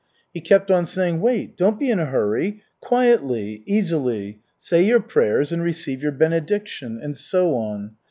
He kept on saying, "Wait, don't be in a hurry! Quietly, easily. Say your prayers and receive your benediction," and so on.